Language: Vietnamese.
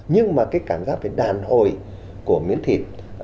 nhưng mà cái cảm giác về đàn hồi của miếng thịt